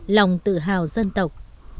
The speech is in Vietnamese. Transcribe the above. lòng tự hào dân tộc